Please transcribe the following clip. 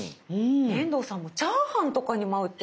遠藤さんもチャーハンとかにも合うって。